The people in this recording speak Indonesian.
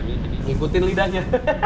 ini jadi ngikutin lidahnya